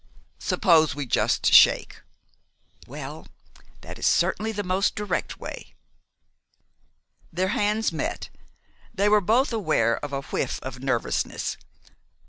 "Suppose we just shake?" "Well, that is certainly the most direct way." Their hands met. They were both aware of a whiff of nervousness.